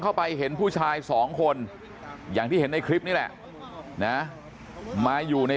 เข้าไปเห็นผู้ชายสองคนอย่างที่เห็นในคลิปนี่แหละนะมาอยู่ใน